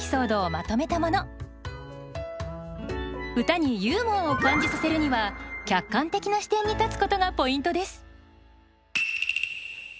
歌にユーモアを感じさせるには客観的な視点に立つことがポイントです。